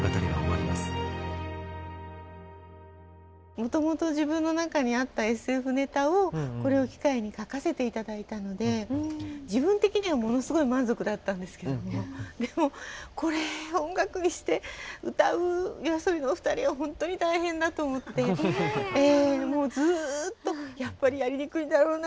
もともと自分の中にあったＳＦネタをこれを機会に書かせていただいたので自分的にはものすごい満足だったんですけれどもでもこれを音楽にして歌うＹＯＡＳＯＢＩのお二人は本当に大変だと思ってずっとやっぱりやりにくいだろうな